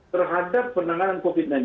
terhadap penanganan covid sembilan belas